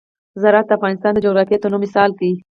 زراعت د افغانستان د جغرافیوي تنوع مثال دی.